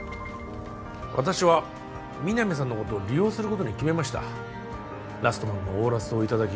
私は皆実さんのことを利用することに決めましたラストマンのオーラスをいただき